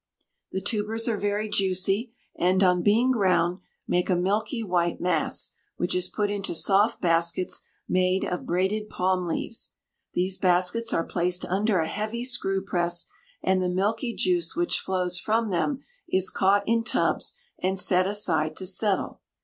The tubers are very juicy and, on being ground, make a milky white mass, which is put into soft baskets made of braided palm leaves. These baskets are placed under a heavy screw press, and the milky juice which flows from them is caught in tubs and set aside to settle.